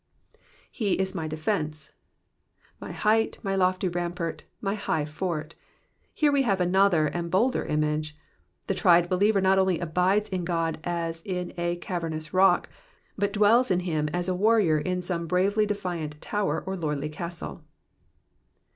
£fo is my d^fence,^^ my height, my lofty rampart, my high fort. Here we have another and bolder image ; the tried believer not only abides in God as in a cavernous rock ; but dwells in him as a warrior in some bravely defiant tower or lordly castle.